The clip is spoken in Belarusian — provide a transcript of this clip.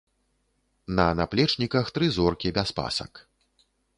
На наплечніках тры зоркі без пасак.